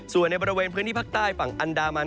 ส่วนในบริเวณพื้นที่ภาคใต้ฝั่งอันดามัน